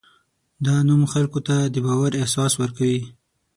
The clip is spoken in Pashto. دا نوم خلکو ته د باور احساس ورکوي.